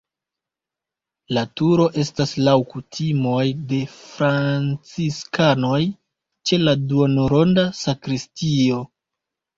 La turo estas laŭ kutimoj de franciskanoj ĉe la duonronda sakristio.